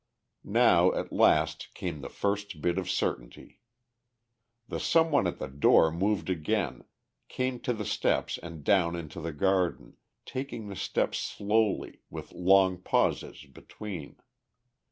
Now at last came the first bit of certainty. The some one at the door moved again, came to the steps and down into the garden, taking the steps slowly, with long pauses between.